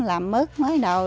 làm mức mới đầu